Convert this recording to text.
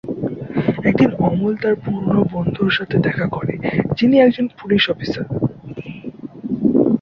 একদিন অমল তার পুরনো বন্ধুর সাথে দেখা করে, যিনি একজন পুলিশ অফিসার।